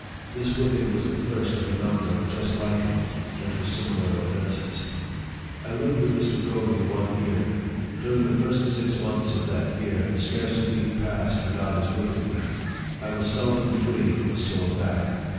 This whipping was the first of a number just like it, and for similar offences. I lived with Mr. Covey one year. During the first six months, of that year, scarce a week passed with out his whipping me. I was seldom free from a sore back.